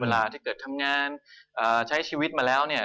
เวลาที่เกิดทำงานใช้ชีวิตมาแล้วเนี่ย